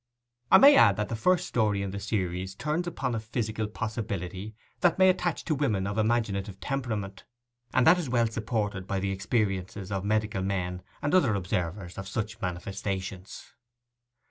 I may add that the first story in the series turns upon a physical possibility that may attach to women of imaginative temperament, and that is well supported by the experiences of medical men and other observers of such manifestations.